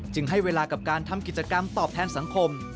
ให้เวลากับการทำกิจกรรมตอบแทนสังคม